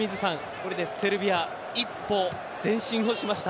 これでセルビア一歩前進をしました。